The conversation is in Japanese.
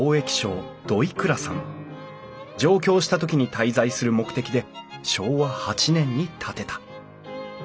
上京した時に滞在する目的で昭和８年に建てた。